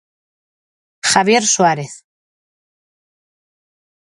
Javier Suárez.